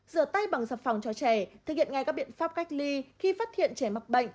rửa tay bằng xà phòng cho trẻ thực hiện ngay các biện pháp cách ly khi phát hiện trẻ mắc bệnh